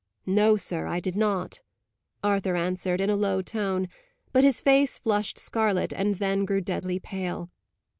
"No, sir, I did not," Arthur answered, in a low tone; but his face flushed scarlet, and then grew deadly pale.